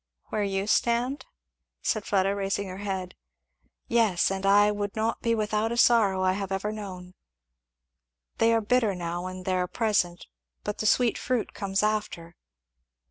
"Where you stand?" said Fleda raising her head. "Yes, and I would not be without a sorrow I have ever known. They are bitter now, when they are present, but the sweet fruit comes after."